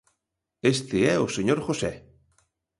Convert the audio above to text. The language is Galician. Este é o señor José.